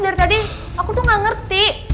dari tadi aku tuh gak ngerti